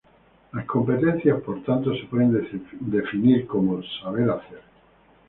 Las competencias, por tanto, se pueden definir como "saber hacer".